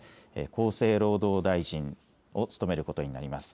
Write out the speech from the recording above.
厚生労働大臣を務めることになります。